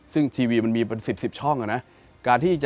ซึ่งทีวีมันมีเป็น๑๐๑๐ช่องอ่ะนะ